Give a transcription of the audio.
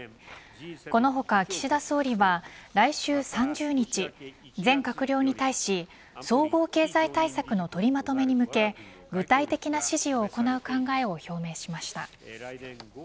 この他、岸田総理は来週３０日全閣僚に対し総合経済対策の取りまとめに向け具体的な指示を行う考えを表明しました。